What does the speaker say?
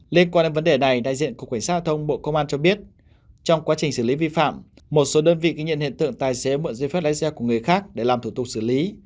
liên quan đến vấn đề này đại diện cục cảnh sát giao thông bộ công an cho biết trong quá trình xử lý vi phạm một số đơn vị ghi nhận hiện tượng tài xế mượn giấy phép lái xe của người khác để làm thủ tục xử lý